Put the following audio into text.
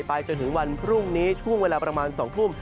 จนถึงวันพรุ่งนี้ช่วงเวลาประมาณ๒ทุ่ม